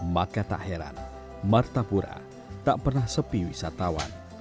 maka tak heran martapura tak pernah sepi wisatawan